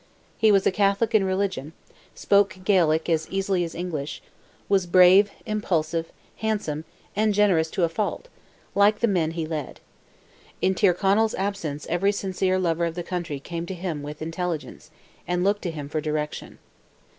He was a Catholic in religion, spoke Gaelic as easily as English, was brave, impulsive; handsome, and generous to a fault, like the men he led. In Tyrconnell's absence every sincere lover of the country came to him with intelligence, and looked to him for direction.